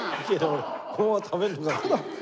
俺このまま食べるのかと。